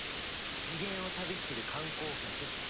次元を旅する観光客って。